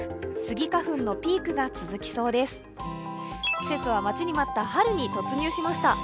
季節は待ちに待った春に突入しました。